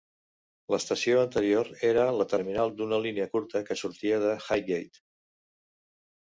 L"estació anterior era la terminal d"una línia curta que sortia de Highgate.